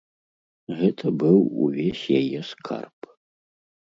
Гэта быў увесь яе скарб.